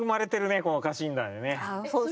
この家臣団でね。